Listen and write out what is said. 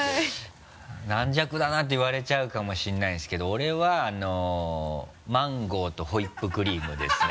軟弱だなって言われちゃうかもしれないんですけど俺はマンゴーとホイップクリームですね。